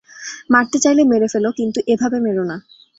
মারতে চাইলে মেরে ফেলো, কিন্তু এভাবে মেরো না।